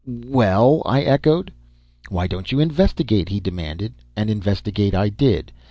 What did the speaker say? "Well?" I echoed. "Why don't you investigate?" he demanded. And investigate I did.